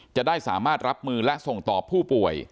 จะได้สามารถรับมือและส่งต่อผู้ป่วย